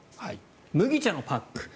麦茶のパック。